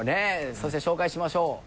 そして紹介しましょう。